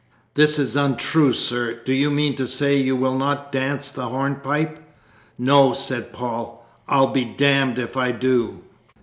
"This is untrue, sir. Do you mean to say you will not dance the hornpipe?" "No," said Paul, "I'll be damned if I do!"